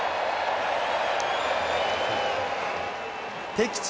敵地